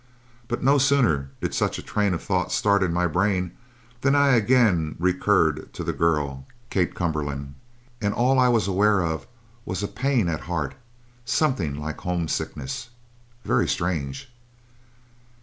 But no sooner did such a train of thoughts start in my brain, than I again recurred to the girl, Kate Cumberland, and all I was aware of was a pain at heart something like homesickness. Very strange.